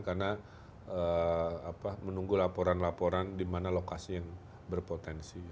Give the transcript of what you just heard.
karena menunggu laporan laporan dimana lokasi yang berpotensi